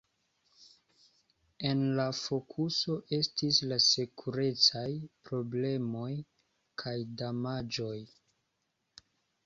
En la fokuso estis la sekurecaj problemoj kaj damaĝoj.